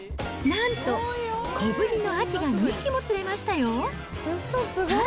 なんと、小ぶりのアジが２匹も釣れましたよ。